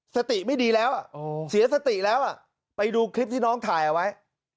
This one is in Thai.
สติไม่ดีแล้วเสียสติแล้วไปดูคลิปที่น้องถ่ายเอาไว้